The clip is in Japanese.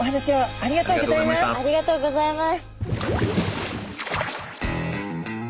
ありがとうございます。